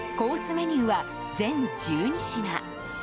メニューは全１２品。